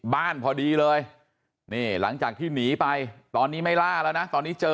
บ้านพอดีเลยนี่หลังจากที่หนีไปตอนนี้ไม่ล่าแล้วนะตอนนี้เจอ